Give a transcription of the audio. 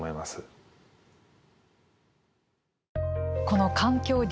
この環境